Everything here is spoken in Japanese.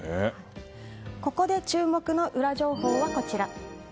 ここで注目のウラ情報はこちら。